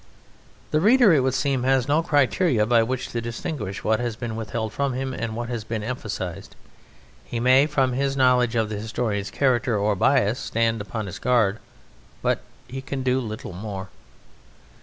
The reader, it would seem, has no criterion by which to distinguish what has been withheld from him and what has been emphasized; he may, from his knowledge of the historian's character or bias, stand upon his guard, but he can do little more.